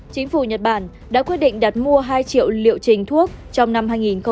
chính phủ nhật bản đã quyết định đặt mua hai triệu liệu trình thuốc trong năm hai nghìn một mươi chín